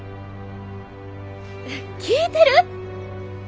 聞いてる？